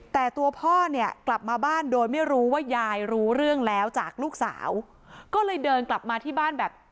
แต่ตัวพ่อเนี่ยกลับมาบ้านโดยไม่รู้ว่ายายรู้เรื่องแล้วจากลูกสาวก็เลยเดินกลับมาที่บ้านแบบ